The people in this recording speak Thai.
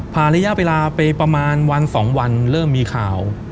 ระยะเวลาไปประมาณวัน๒วันเริ่มมีข่าว